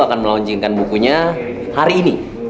akan melaunchingkan bukunya hari ini